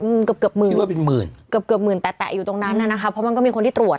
อืมเกือบหมื่นแตะอยู่ตรงนั้นนะนะคะเพราะมันก็มีคนที่ตรวจ